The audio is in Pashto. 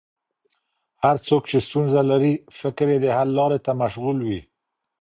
هر څوک چې ستونزه لري، فکر یې د حل لارې ته مشغول وي.